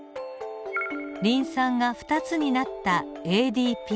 リン酸が２つになったＡＤＰ。